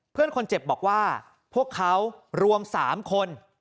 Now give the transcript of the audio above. เพื่อนคนเจ็บบอกว่าพวกเขารวม๓คน